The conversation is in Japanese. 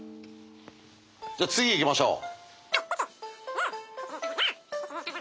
じゃあ次行きましょう。